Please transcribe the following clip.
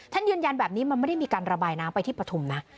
ยืนยันแบบนี้มันไม่ได้มีการระบายน้ำไปที่ปฐุมนะ